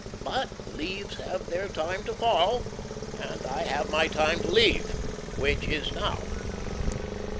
But "leaves have their time to fall," and I have my time to leave, which is now.